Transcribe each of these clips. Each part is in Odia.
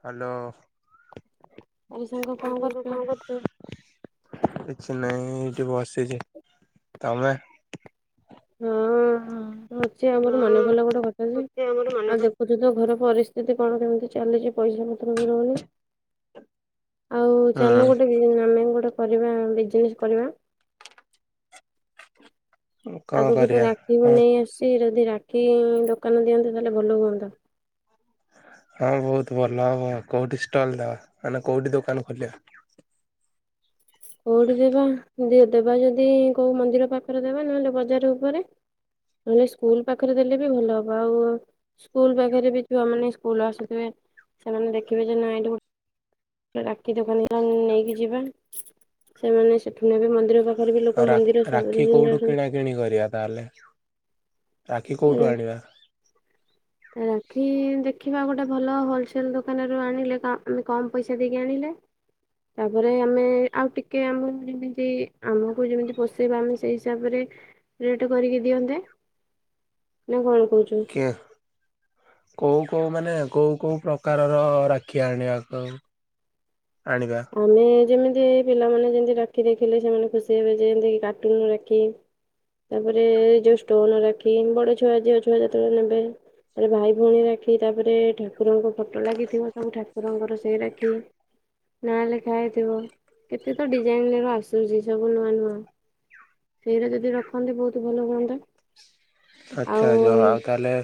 ହ୍ୟାଲୋ। ଆଉ ସାଙ୍ଗ କଣ କରୁଛୁ? କିଛି ନାଇଁ ଏଇଠି ବସିଛି। ତୋମେ? ଉ, ମୁଁ ତ ଅଛି, ଆଉ ମୋର ମନେ ପଇଲା ଗୋଟେ କଥା [unintelligible] ଏବେ ତ ଘର ପରିସ୍ଥିତି କଣ କେମିତି ଚାଲିଛି ପଇସା ପତ୍ର ବି ରହୁନି। ଆଉ ଚାଲୁନ ହୁଁ ଗୋଟେ ବିନ ଆମେ ଗୋଟେ କରିବା ବିଜନେସ କରିବା। କଣ ଆଗକୁ ତ କରିବା ହଁ ରାକ୍ଷୀପୁନେଇଁ ଆଶୁଚି ଯଦି ରାକ୍ଷୀ ଦୋକାନ ଦିଅନ୍ତେ ତା ହେଲେ ଭଲ ହୁଅନ୍ତା। ହଁ ବହୁତ ଭଲ ହବ କୋଉଠି ଷ୍ଟଲ୍ଟ ଟା ମାନେ କୋଉଠି ଦୋକାନ ଖୋଲିବା। କୋଉଠି ଦେବା ଦେବା ଯଦି କୋଉ ମନ୍ଦିର ପାଖରେ ଦେବା ନହେଲେ ବଜାର ଉପରେ। ନେହେଲେ ସ୍କୁଲ ପାଖରେ ଦେଲେ ବି ଭଲ ହବ ଆଉ। ସ୍କୁଲ ପାଖରେ ବି ଛୁଆମାନେ ସ୍କୁଲ ଆସୁଥିବେ ସେମାନେ ଦେଖିବେ ଯେ ନାଇଁ ଏ ରାକ୍ଷୀ ଦୋକାନରୁ ସେ ନେଇକି ଯିବେ ସେମାନେ ସେଠୁ ନେବେ ମ ମନ୍ଦିର ପାଖରେ ବି ଲୋକ ମନ୍ଦିର ସାମ୍ନାକୁ ଯାଉଛନ୍ତି। କିଣି କରିବା ତାହେଲେ ରାକ୍ଷୀ କୋଉଠୁ ଆଣିବା? ରାକ୍ଷୀ ଦେଖିବା ଗୋଟେ ଭଲ ହୋଲସେଲ ଦୋକାନରୁ ଆଣିଲେ ଆମେ କମ୍ ପଇସା ଦେଇକି ଆଣିଲେ। ତାପରେ ଆମେ ଆଉ ଟିକେ ଆମେ ଯେମତି ଆମକୁ ଯେମିତି ପୋଷେଇବ ଆମେ ସେଇ ହିସାବରେ ରେଟ କରିକି ଦିଅନ୍ତେ ନା କଣ କହୁଚ କ୍ୟା। କୋଉ କୋଉ ମାନେ କୋଉ କୋଉ ପ୍ରକାରର ରାକ୍ଷୀ ଆଣିବାକୁ ଆଣିବା। ଆମେ ଯେମିତି ପିଲାମାନେ ଯେମିତି ରାକ୍ଷୀ ଦେଖିଲେ ସେମାନେ ଖୁସି ହେବେ ଯେ ଯେମିତି କାର୍ଟୁନ ରାକ୍ଷୀ ତାପରେ ଯୋଉ ଷ୍ଟୋନ ରାକ୍ଷୀ ବଡ ଛୁଆ ଝିଅ ଛୁଆ ଯେତେବେଳେ ନେବେ। ତାରେ ଭାଇ ଭଉଣୀ ରାକ୍ଷୀ ତାପରେ ଠାକୁରଙ୍କ ଫଟୋ ଲାଗିଥିବ ସବୁ ଠାକୁରଙ୍କର ସେଇ ରାକ୍ଷୀ। ନାଁ ଲେଖା ହେଇଥିବ କେତେ ତ ଡିଜାଇନ ର ଆସୁଛି ସବୁ ନୂଆ ନୂଆ। ସେଇ ରା ଯଦି ରଖନ୍ତେ ବହୁତ ଭଲ ହୁଅନ୍ତା। ଆଉ ଆଚ୍ଛାଛ ଆଉ ତାହେଲେ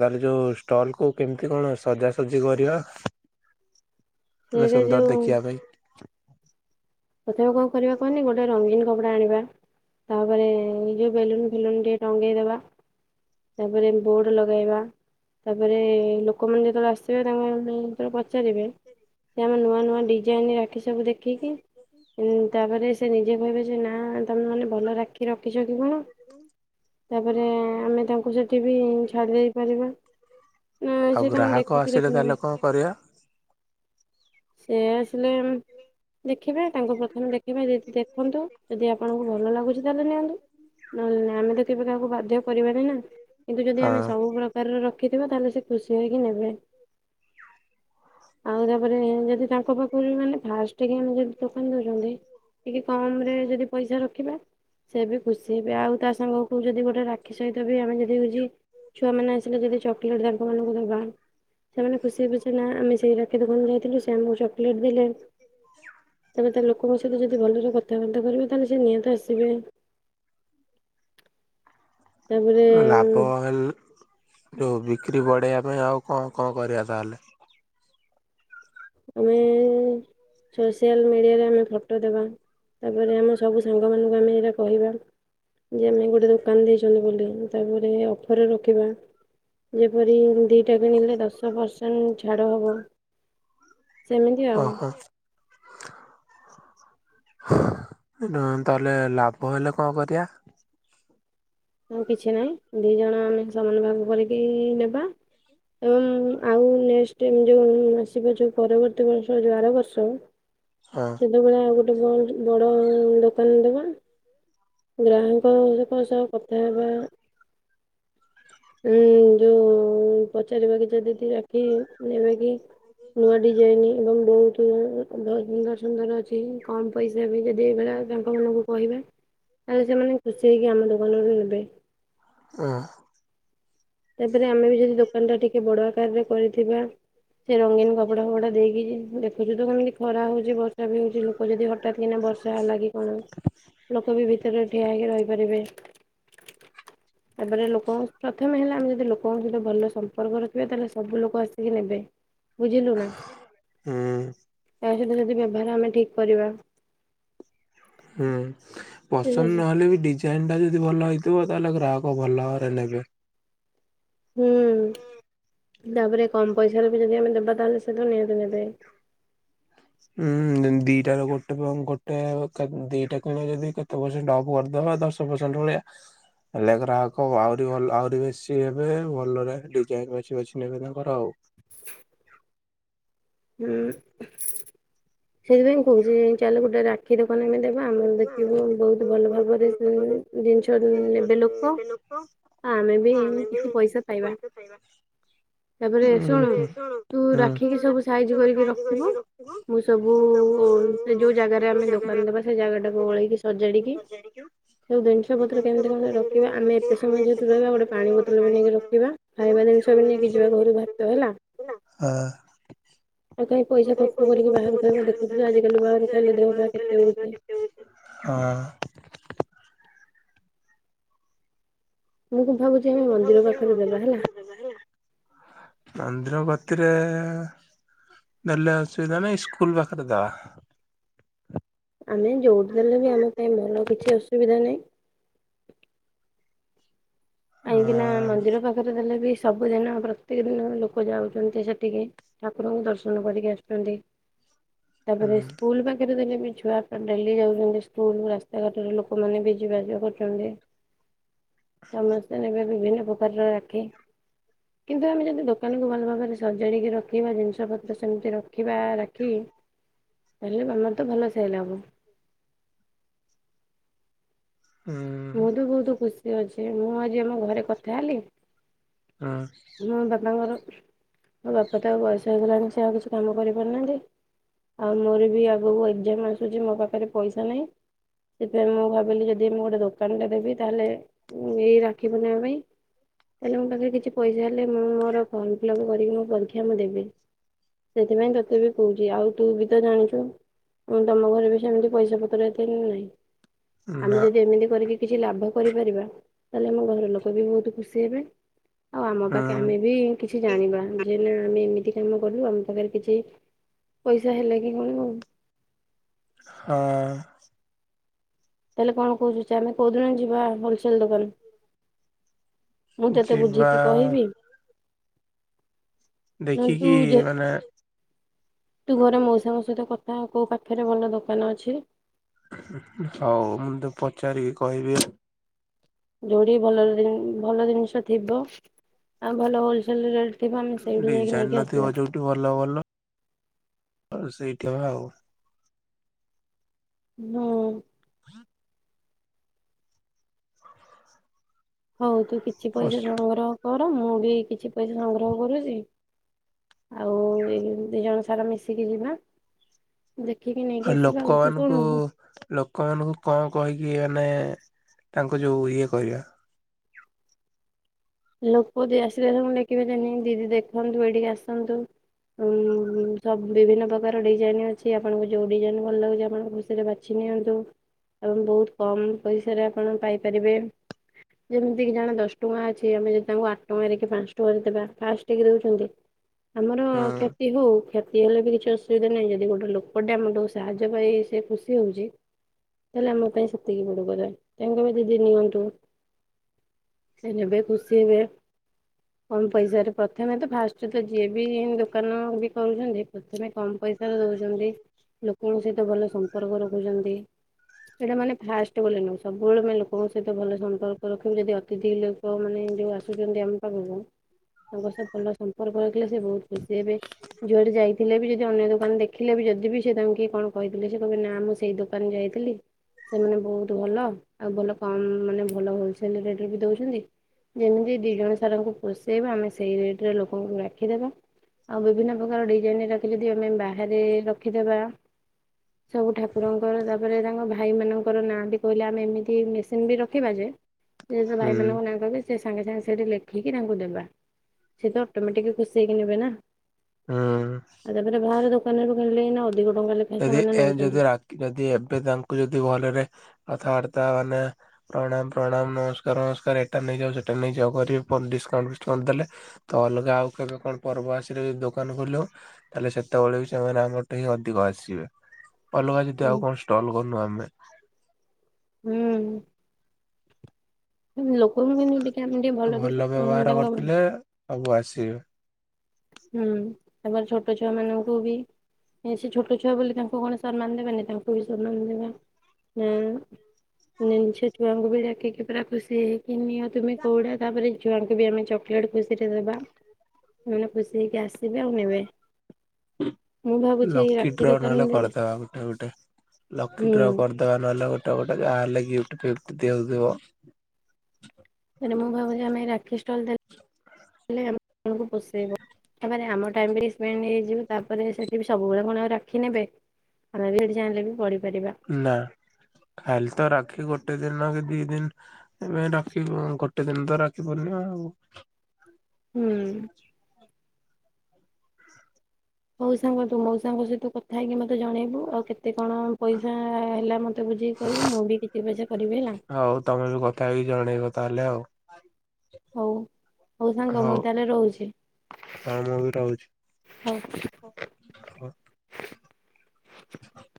ତାହେଲେ ଯୋଉ ଷ୍ଟଲ କୁ କେମିତି କଣ ସଜାସଜି କରିବା। ତମେ ସେଇରେ ସୁନ୍ଦର ଯୋଉ ଦେଖିବା ପାଇଁ। ତଥାପି କଣ କରିବା କହନି ଗୋଟେ ରଙ୍ଗୀନ କପଡା ଆଣିବା। ତାପରେ ଯୋଉ ବେଲୁନ ଫେଲୁନ ଟିକେ ଟଙ୍ଗେଇଦବା। ତାପରେ ବୋର୍ଡ ଲଗେଇବା ତାପରେ ଲୋକମାନେ ଯେତେବେଳେ ଆସିବେ ତାଙ୍କ ପାଇଁ ତେଣୁ ପଚାରିବେ ସେମାନେ ନୂଆ ନୂଆ ଡିଜାଇନ ରାକ୍ଷୀ ସବୁ ଦେଖିକି ତାପରେ ସେ ନିଜେ କହିବେ ଯେ ନା ତମେ ମାନେ ଭଲ ରାକ୍ଷୀ ରଖିଛ କି କଣ? ତାପରେ ଆମେ ତାଙ୍କୁ ସେଠି ବି ଛାଡ଼ି ଦେଇ ପାରିବା। ନା ଆଉ ସେ ତାଙ୍କୁ ଗ୍ରାହକ ଦେଖିକି ଆସିଲେ ଦେଖିନେବେ। ତାହେଲେ କଣ କରିବା ସେ ଆସିଲେ ଦେଖିବେ ତାଙ୍କୁ ପ୍ରଥମେ ଦେଖିବେ ଦେଖନ୍ତୁ ଯଦି ଆପଣଙ୍କୁ ଭଲ ଲାଗୁଚି ତାହେଲେ ନିଅନ୍ତୁ। ନହେଲେ ନାଇଁ ଆମେ ତ କେବେ କାହାକୁ ବାଧ୍ୟ କରିବାନି ନା କିନ୍ତୁ ଯଦି ହଁ ଆମେ ସବୁ ପ୍ରକା ତାରେ ରଖିଥିବା ତାହେଲେ ସେ ଖୁସି ହେଇକି ନେବେ। ଆଉ ତାପରେ ଏମ୍ ଯଦି ତାଙ୍କ ପାଖରୁ ମାନେ ଫାଷ୍ଟ କି ଆମେ ଯଦି ଦୋକାନ ଦଉଛନ୍ତି ଟିକେ କମ ରେ ଯଦି ପଇସା ରଖିବା। ସେ ବି ଖୁସି ହେବେ ଆଉ ତା ସାଙ୍ଗକୁ ଯଦି ଗୋଟେ ରାକ୍ଷୀ ସହିତ ବି ଆମେ ଯଦି ହଉଛି ଛୁଆମାନୋନ ଆସିଲେ ଯଦି ଚକୋଲେଟ୍ ଦ ମାନଙ୍କୁ ଦେବା ସେମାନେ ଖୁସି ହେବେଛ ନା ଆମେ ସେଇ ରାକ୍ଷୀ ଦୋକାନ ଯାଇଥିଲୁ ସେ ଆମକୁ ଚକୋଲେଟ୍ ଦେଲେ। ସେ ତମେ ତ ଲୋକଙ୍କ ସହିତ ଯଦି ଭଲରେ କଥାବାର୍ତ୍ତା କରିବେ ତାହେଲେ ସେ ନିହାତି ଆସିବେ। ତାପରେ ଲାଭ ହେଲେ ଯେଉଁ ବିକ୍ରି ବଢ଼େଇବା ପାଇଁ ଆଉ କଣ କଣ କରିବା ତାହେଲେ। ଆମେ ସୋସିଆଲ ମିଡିଆରେ ଆମେ ଫଟୋ ଦେବା। ତାପରେ ଆମ ସବୁ ସାଙ୍ଗମାନଙ୍କୁ ଆମେ ଏଇଟା କହିବା। ଯେ ଆମେ ଗୋଟେ ଦୋକାନ ଦେଇଛନ୍ତି ବୋଲି ତାପରେ ଅଫରରେ ରଖିବା। ଯେପରି ଦିଟା କିଣିଲେ ଦଶ ପ୍ରସେଣ୍ଟ୍ ଛାଡ଼ ହବ। ସେମିତି ଓ ଆଉ। ହୋ। [unintelligible] ତାହେଲେ ଲାଭ ହେଲେ କଣ କରିବା? ଆଉ କିଛି ନାହିଁ ଦି ଜଣ ଆମେ ସମାନ ଭାଗ କରିକି ନେବା। ଉଁ ଆଉ ନେକ୍ସଟ୍ ଏ ଯୋଉ ଆସିବା ଯେଉଁ ପରବର୍ତ୍ତୀ ବର୍ଷ ଆର ବର୍ଷ ହଁ। ସେତେବେଳେ ଆଉ ଗୋଟେ ବ ବଡ଼ ଦୋକାନ ଦବା। ଗ୍ରାହକ ଙ୍କ ସହ କଥା ହେବା। ଉଁ ଯୋଉ ପଚାରିବା କି ଯଦି [unintelligible] ନେବେ କି ନୂଆ ଡିଜାଇନ୍ ଏବଂ ବହୁତ୍ ବହୁତ୍ ସୁନ୍ଦର ସୁନ୍ଦର ଅଛି କମ୍ ପଇସା ବି ଯଦି ଏଇଭଳି ତାଙ୍କ ମାନଙ୍କୁ କହିବେ। ତାହେଲେ ସେମାନେ ଖୁସି ହେଇକି ଆମ ଦୋକାନରୁୁ ନେବେ। ହୁଁ। ତାପରେ ଆମେ ବି ଯଦି ଦୋକାନ ଟା ଟିକେ ବଡ଼ ଆକାର ରେ କ ଥିବା ସେ ରଙ୍ଗୀନ କପଡ଼ା ଫପଡା଼ ଦେଇକି ଏବେ ତ କେମିତି ଖରା ହଉଛି ବର୍ଷା ବି ହଉଛି ଲୋକ ଯଦି ହଠାତ୍ କିନା ବର୍ଷା ହେଲା କି କଣ ଲୋକ ବି ଭିତରେ ଠିଆ ହେଇକି ରହିପାରିବେ। ତାପରେ ଲୋକଙ୍କ ପ୍ରଥମେ ହେଲା ଆମେ ଯଦି ଲୋକଙ୍କ ସହିତ ଭଲ ସମ୍ପର୍କ ରଖିବା ତାହେଲେ ସବୁ ଲୋକ ଆସିକି ନେବେ। ବୁଝିଲୁ ନା ହୁଁ ତା ସହିତ ଯଦି ବ୍ୟବହାର ଆମେ ଠିକ୍ କରିବା। ହୁଁ ଠିକ୍ ପସନ୍ଦ ଅଛି। ନହେଲେ ବି ଡି ଡିଜାଇନ୍ ଟା ଯଦି ଭଲ ହେଇଥିବ ତାହେଲେ ଗ୍ରାହକ ଭଲ ଭାବରେ ନେବେ। ହୁଁ ତାପରେ କମ୍ ପଇସାାରେ ବି ଯଦି ଆମେ ଦେବା ତାହେଲେ ସେତ ନିହାତି ନେବେ। ହୁଁ ଦିଟା ର [unintelligible] ମୁଁ କହୁଛି [unintelligible] ଦଶ ପ୍ରସେଣ୍ଟ୍ ଭଳିଆ ହେଲେ ଗ୍ରାହକ ଆହୁରି ଭଲ ଆହୁରି ବେଶୀ ହେବେ ଭଲରେ ଡିଜାଇନ୍ ବାଛି ବାଛି ନେବେ ତାଙ୍କର ଆଉ। [unintelligible] ହୁଁ। ସେଇଥିପାଇଁ କହୁଛି ଚାଲ ଗୋଟେ ରାକ୍ଷୀ ଦୋକାନ ଆମେ ଦେବା ଆମର ଦେଖିବୁ ଭଲ ଭାବରେ [unintelligible] ଜିନି ନେବେ ଲୋକ ଆମେ ବି କିଛି ପଇସା ପାଇବା। ତାପରେ ହୁଁ ଶୁଣ ହୁଁ ତୁ ରାକ୍ଷୀ କି ସବୁ ସାଇଜି କରିକି ରଖିବୁ। ହୁଁ। ମୁଁ ସବୁ ସେ ଯୋଉ ଜାଗାରେ ଆମେ ଦୋକାନ ଦେବା ସେ ଜାଗାଟାକୁ ଓଳେଇକି ସଜାଡ଼ିକି ଉ ଜିନିଷ ପତ୍ର କେମତି [unintelligible] କଣ ରଖିବା ଆମେ ଏତେ ସମୟ ଯେହେତୁ ରହିବା ଗୋଟେ ପାଣି ବୋତଲ ବି ନେଇକି ରଖିବା ଖାଇବା ଜିନିଷ ବି ନେଇକି ଯିବା ଘରୁ [unintelligible] ହେଲା। [unintelligible] ଆଉ କାହିଁ ପଇସା ଖର୍ଚ୍ଚ କରି ବାହାର ଖାଇବା ଦେଖୁ ନା ଆଜିକାଲି ବାହା ରୁ ଖାଇଲେ ଦେହ ପା କେତେ [unintelligible] ହଁ। ହୁଁ। [unintelligible] ଭାବ ମନ୍ଦିର ଗତିରେ ନେଲେ ଅସୁବିଧା ନାଇଁ ସ୍କୁୂଲ ପାଖରେ ଦବା। ଆମେ ଯୋଉଠି ଦେଲେ ବି ଆମ ପାଇଁ ଭଲ କିଛି ଅସୁବିଧା ନାହିଁ। ଅ କାହିଁକିନା ମନ୍ଦିର ପାଖରେ ଦେଲେ ବି ସବୁଦିନ ପ୍ରତ୍ୟେକ ଦିନ ଲୋକ ଯାଉଛନ୍ତି ସେଠିକି। ଠାକୁରଙ୍କୁ ଦର୍ଶନ କରିକି ଆସିଥାନ୍ତି ହୁଁ ତାପରେ ସ୍କୁଲ ପାଖରେ ଦେଲେ ବି ଛୁଆ ଡେଲି ଯାଉଛନ୍ତି ସ୍କୁଲ ରାସ୍ତାଘାଟରେ ଲୋକମାନେବି ଜିବା ଆସିବା କରୁଛନ୍ତି। ସମସ୍ତେ ନେବେ ବିଭିନ୍ନ ପ୍ରକାରର ରାକ୍ଷୀ। କିନ୍ତୁ ଆମେ ଯଦି ଦୋକାନକୁ ଭଲ ଭାବରେ ସଜାଡ଼ିକି ରଖିବା ଜିନିଷ ପତ୍ର ସେମିତି ରଖି ରଖିବା ରଖି ତାହେଲେ ଆମର ତ ଭଲ ସେଲ୍ ହେବ। ହୁଁ ମୁଁ ଭି ବହୁତ ଖୁସି ଅଛି ମୁଁ ଆଜି ଆମ ଘରେ କଥା ହେଲି ହଁ। ମୋ ବାପାଙ୍କର ମୋ ବାପା ତ ଆଉ ବୟସ ହେଇଗଲାଣି ସେ ଆଉ କିଛି କାମ କରିପାରୁନାହାନ୍ତି। ଆଉ ମୋର ବି ଆଗକୁ ଏକ୍ଜାମ ଆସୁଛି ମୋ ପାଖରେ ପଇସା ନାହିଁ। ସେଥିପାଇଁ ମୁଁ ଭାବିଲି ଯଦି ମୁଁ ଗୋଟେ ଦୋକାନ ଟେ ଦେବି ତାହେଲେ ଏଇ ରାକ୍ଷୀ ପୂର୍ଣ୍ଣିମା ପାଇଁ ତାହେଲେ ମୋ ପାଖରେ କିଛି ପଇସା ହେଲେ ମୁଁ ମୋର ଫର୍ମ ଫିଲପ୍ କରିକି ମୁ ପରୀକ୍ଷା ମୁଁ ଦେବି। ସେଥିପାଇଁ ତତେ ବି କହୁଛି ଆଉ ତୁ ବି ତ ଜାଣିଛୁ ମୁଁ ତମ ଘରେ ବି ସେମିତି ପଇସା ପତ୍ର ଏତେ ନାହିଁ। ଆମେ ନା ଯଦି ଏମିତି କରିକି କିଛି ଲାଭ କରିପାରିବା ତାହେଲେ ଆମ ଘର ଲୋକ ବି ବହୁତ ଖୁସି ହେବେ। ଆଉ ଆମ ହୁଁ ପାଖେ ଆମେ ବି କିଛି ଜାଣିବା। ଯେ ନା ଆମେ ଏମିତି କାମ କଲୁ ଆମ ପାଖରେ କିଛି ପଇସା ହେଲା କି କଣ ଆଉ। ହଁ। ତାହେଲେ କଣ କହୁଛୁ ଚା ଆମେ କୋଉଦିନ ଯିବା ହୋଲସଲ ଦୋକାନ? ମୁଁ ତତେ ଯିବା ବୁଝିକି କହିବି। ନହେଲେ ତୁ ଦେଖିକି ଯେ ମାନେ ତୁ ଘରେ ମଉସାଙ୍କ ସହିତ କଥା କୋଉ ପାଖରେ ଭଲ ଦୋକାନ ଅଛି? ହଉ ମୁଁ ତ ପଚାରିକି କହିବି। ଯୋଉଠି ଭଲ ଭଲ ଜିନିଷ ଥିବ ଆଉ ଭଲ ହୋଲସେଲ ରେଟ୍ ଥିବ ଆମେ ସେଇଠୁ ଯାଇକି ଡିଜାଇନ ନେଇକି ନଥିବ ଆସିବା। ଯୋଉଠି ଭଲ ଭଲ ସେଇଟା ଆଉ ହୁଁ। [inaudible] [inaudible] ହଉ ତୁ କିଛି ପସ ପଇସା ସଂଗ୍ରହ କର ମୁଁ ବି କିଛି ପଇସା ସଂଗ୍ରହ କରୁଛି। ଆଉ ଏ ଦି ଜଣ ସାରା ମିଶିକି ଯିବା। ଦେଖିକି ନେଇକି ଆସିବା ଆଉ ତୁ ଶୁଣନ୍ତୁ। ଲୋକମାନନଙ୍କୁ କଣ କହିକି ମାନେ ତାଙ୍କୁ ଯୋଉ ଇଏ କରିବା ଲୋକଦି ଆସିବେ ମୁଁ ଲେଖିିବି ଜେ ଦିଦି ଦେଖନ୍ତୁ ଏଇଠିକି ଆସନ୍ତୁ। ଉଁ ସବୁ ବିଭିନ୍ନ ପ୍ରକାର ଡିଜାଇନ ଅଛି ଆପଣଙ୍କୁ ଯୋଉ ଡିଜାଇନ ଭଲ ଲାଗୁଛି ଆପଣ ଖୁସିରେ ବା ବାଛି ନିଅନ୍ତୁ ଏବଂ ବହୁତ କମ ପଇସାରେ ଆପଣ ପାଇପାରିବେ। ଯେମିତି କି ଜଣେ ଦଶ ଟଙ୍କା ଅଛି ଜଦି ଆମେ ତାଙ୍କୁ ଆଠ ଟଙ୍କାରେ କି ପାଞ୍ଚ ଟଙ୍କାରେ ଦେବା ଫାଷ୍ଟକି ଦେଉଛନ୍ତି। ଆମର ହୁଁ କ୍ଷତି ହଉ କ୍ଷ୍ୟ ସିଏ ହେଲେ ବି କିଛି ଅସୁବିଧା ନାହିଁ ଯଦି ଗୋଟେ ଲୋକଟେ ଆମଠୁ ସାହାଯ୍ୟ ପାଇ ସେ ଖୁସି ହଉଛି। ତାହେଲେ ଆମ ପାଇଁ ସେତିକି ବଡ କଥା ତାଙ୍କ ପାଇଁ ଦିଦି ନିଅନ୍ତୁ। ସେ ନେବେ ଖୁସି ହେବେ। କମ ପଇସାରେ ପ୍ରଥମେ ତ ଫାଷ୍ଟ ତ ଯିଏ ବି ଦୋକାନ ବି କରୁଛନ୍ତି ପ୍ରଥମେ କମ ପଇସା [unintelligible] ଦଉଛନ୍ତି ଲୋକଙ୍କ ସହିତ ଭଲ ସମ୍ପର୍କ ରଖୁଛନ୍ତି। ସେଇଟା ମାନେ ଫାଷ୍ଟ ବୋଲି ନୁହଁ ସବୁବେଳେ ଆମେ ଲୋକଙ୍କ ସହିତ ଭଲ ସମ୍ପର୍କ ରଖିବୁ ଯଦି ଅତିଥି ଲୋକମାନେ ଯୋଉ ଆସୁଛନ୍ତି ଆମ ପାଖକୁ ତାଙ୍କ ସହ ଭଲ ସମ୍ପର୍କ ରଖିଲେ ସେ ବହୁତ ଖୁସି ହେବେ। ଯୁଆଡ଼େ ଯାଇଥିଲେ ବି ଯଦି ଅନ୍ୟ ଦୋକାନ ଦେଖିଲେ ବି ଯଦି ବିି ସେ ତାଙ୍କୁ କଣ କହିଥିଲେ ସେ କହିବେ ନା ମୁଁ ସେଇ ଦୋକାନ ଯାଇଥିଲି। ସେମାନେ ବହୁତ୍ ଭଲ ଆଉ ଭଲ କମ ମାନେ ଭଲ ହୋଲସେଲ୍ ରେଟ୍ ରେ ବି ଦଉଛନ୍ତି ଯେମିତି ଦି ଜଣ ସାରଙ୍କୁ ପୋଷେଇବା ଆମେ ସେଇ ରେଟ୍ ରେ ଲୋକଙ୍କୁ ରଖିଦବା। ଆଉ ବିଭିନ୍ନ ପ୍ରକାର ଡିଜାଇନ ଡାକି ଯଦି ଆମେ ବାହାରେ ରଖିଦବା। ସବୁ ଠାକୁରଙ୍କର ତାପରେ ତାଙ୍କ ଭାଇମାନଙ୍କର ନାଁ ବି କହିଲେ ଆମେ ଏମିତି ମେସିନ୍ ବି ରଖିବା ଯେ ସେ ହୁଁ ଭାଇ ମନା ସେ ସାଙ୍ଗେ ସାଙ୍ଗେ ସେଠି ଲେଖିକି ତାଙ୍କୁ ଦେବା ସିଏ ତ ଅଟୋମେଟିକ୍ ଖୁସି ହେଇକି ନେବେ ନା ହଁ ଆଉ ତାପରେ ବାହାର ଦୋକାନରୁ କିଣିଲେ ଏଇନା ଅଧିକ ଟଙ୍କା ଲେଖାଏଁ ଯଦି ସେମାନେ ଏ ଯଦି ନଉଛନ୍ତି। ରା ଯଦି ଏବେ ତାଙ୍କୁ ଯଦି ଭଲରେ କଥାବାର୍ତ୍ତା ମାନେ ପ୍ରଣାମ ପ୍ରଣାମ ନମସ୍କାର ଫସ୍କାର ଏଟା ନେଇଯାଅ ସେଟା ନେଇଯାଅ ଡିସକାଉଣ୍ଟ ଫିସ୍ କାଉଣ୍ଟ ଦେଲେ ତ ଅଲଗା ଆଉ କେବେ କଣ ପର୍ବ ଆସିଲେ ବି ଦୋକାନ ଖୋଲ ତାହେଲେ ସେତେବେଳେ ବି ସେମାନେ ଆମ ପଟେ ହିଁ ଅଧିକ ଆସି ଆସିବେ ଅଲଗା ଯଦି ହୁଁ। ଆଉ କଣ ଷ୍ଟଲ କରନୁ ଆମେ ହୁଁ ଲୋକଙ୍କୁ କିନ୍ତୁ ଟିକେ ଆମେ ଟିକେ ଭଲ ବ୍ୟବହାର ତାଙ୍କ କରିଥିଲେ ସବୁ ଆସିବେ। ହୁଁ ତାପରେ ଛୋଟ ଛୁଆ ମାନଙ୍କୁ ବି ବେଶି ଛୋଟ ଛୁଆ ବୋଲି ତାଙ୍କୁ କଣ ସମ୍ମାନ ଦେବେନି ତାଙ୍କୁ ବି ସମ୍ମାନ ଦେବା ଆ ଛୁଆଙ୍କୁ ବି ଡାକିକି ପୁରା ଖୁସି ହେଇ ଅ ତୁମେ କୋଉଟା ତାପରେ ଛୁଆଙ୍କୁ ବି ଆମେ ଚକୋଲେଟ୍ ଖୁସିରେ ଦେବା ସେ ଖୁସି ସି ହେଇକି ଆସିବେ ଆଉ ନେବେ ମୁଁ ଭାବୁଛି ଏଇ ଲକି ରାକ୍ଷୀ ଡ୍ର ଦୋକାନ ନହେଲେ ଦେଲେ କରିଦେବା ଗୋଟେ ଗୋଟେ ଲକି ହୁଁ ଡ୍ର କରିଦ ଦବା ନହେଲେ ଗୋଟ ଗୋଟେ ଯାହେଲେ ଗିଫ୍ଟ ଫିଫ୍ଟ ଦେଉଥିବ ମାନେ ମୁଁ ଭାବୁଛି ଆମେ ରାକ୍ଷୀ ଷ୍ଟଲ ଦେଲେ ଆପଣଙ୍କୁ ପୋଷେଇବ। ତାପରେ ଆମ ଟାଇମ୍ ରେ ସ୍ପେଣ୍ଡ ହେଇଯିବ ତାପରେ ସେଠି ସବୁବେଳେ କଣ ଆଉ ରଖି ନେବେ। [unintelligible] ବି ପଢିପାରିବା ନା ଖାଲି ତ ରାକ୍ଷି ଗୋଟେ ଦିନ କି ଦି ଦିନ୍ ଏବେ ରାକ୍ଷୀ ଗୋଟେ ଦିନ୍ ତ ରାଖି ଫୂର୍ଣ୍ଣିମା ଆଉ ହୁଁ ହଉ ସାଙ୍ଗ ତୁ ମଉସାଙ୍କ ସହିତ କଥା ହେଇକି ମତେ ଜଣେଇବୁ ଆଉ କେତେ କଣ ପଇସା ହେଲା ମତେ ବୁଝେଇକି କହିବୁ ମୁଁ ବି କିଛି ପଇସା କରିବି ହେଲା। ହଉ ତମେ ବି କ କଥା ହେଇ ଜଣେଇବ ତାହେଲେ ଆଉ ହଉ ହଉ ସାଙ୍ଗ ମୁଁ ତାହେଲେ ରହୁଛି। ହଁ ମୁଁ ବି ହଉ। ରହୁଛି। [inaudible]